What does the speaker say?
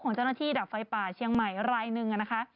เจ้าหน้าที่ดับไฟป่าเชียงใหม่รายหนึ่งนะคะ